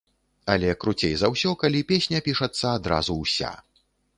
Але круцей за ўсё, калі песня пішацца адразу ўся.